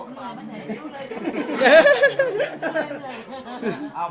สวัสดีครับ